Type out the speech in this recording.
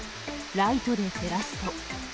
ライトで照らすと。